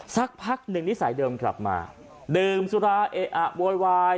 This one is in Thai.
สักพักหนึ่งนิสัยเดิมกลับมาดื่มสุราเอะอะโวยวาย